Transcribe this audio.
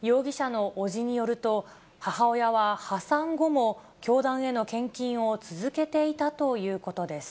容疑者の伯父によると、母親は破産後も、教団への献金を続けていたということです。